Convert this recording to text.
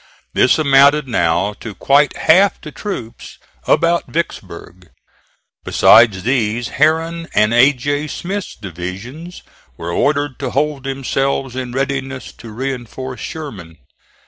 This amounted now to quite half the troops about Vicksburg. Besides these, Herron and A. J. Smith's divisions were ordered to hold themselves in readiness to reinforce Sherman.